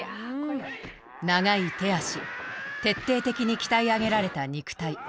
長い手足徹底的に鍛え上げられた肉体。